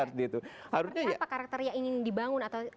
seperti apa karakter yang ingin dibangun